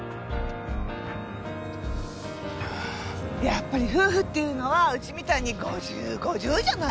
やっぱり夫婦っていうのはうちみたいに５０５０じゃないとね。